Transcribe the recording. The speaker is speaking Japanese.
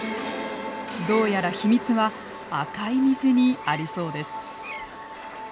どうやら秘密は赤い水にありそうです。